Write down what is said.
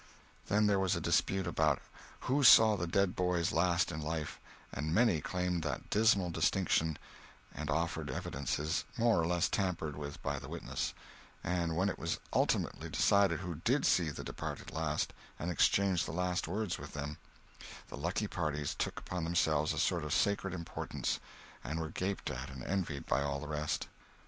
Then there was a dispute about who saw the dead boys last in life, and many claimed that dismal distinction, and offered evidences, more or less tampered with by the witness; and when it was ultimately decided who did see the departed last, and exchanged the last words with them, the lucky parties took upon themselves a sort of sacred importance, and were gaped at and envied by all the rest.